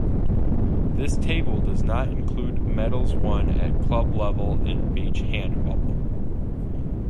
This table does not include medals won at club level and Beach Handball.